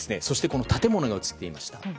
そして建物が映っていました。